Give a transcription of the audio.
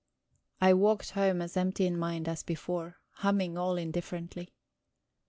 I walked home as empty in mind as before, humming all indifferently.